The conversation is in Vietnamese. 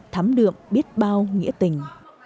thắm đượm biết bao nghĩa tình